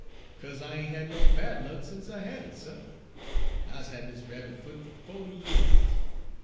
" 'Ca'se I ain' had no bad luck sence I had it, suh, en I's had dis rabbit foot fer fo'ty yeahs.